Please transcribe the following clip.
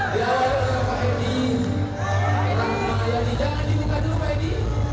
diawal oleh pak edi pak edi jangan dibuka dulu pak edi